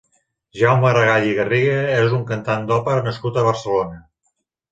Jaume Aragall i Garriga és un cantant d'òpera nascut a Barcelona.